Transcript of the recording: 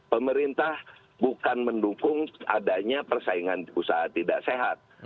pemerintah bukan mendukung adanya persaingan usaha tidak sehat